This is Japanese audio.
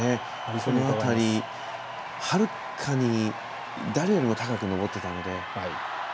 この辺り、はるかに誰よりも高く登ってたので。